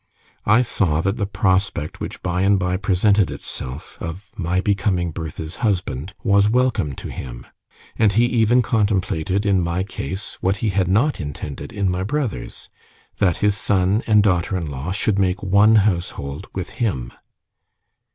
I saw that the prospect which by and by presented itself of my becoming Bertha's husband was welcome to him, and he even contemplated in my case what he had not intended in my brother's that his son and daughter in law should make one household with him.